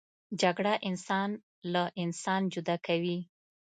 جګړه انسان له انسان جدا کوي